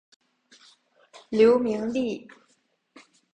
刘明利。